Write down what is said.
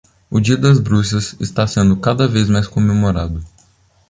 O dia das bruxas está sendo cada vez mais comemorado